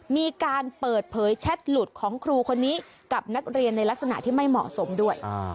มีการเปิดเผยแชทหลุดของครูคนนี้กับนักเรียนในลักษณะที่ไม่เหมาะสมด้วย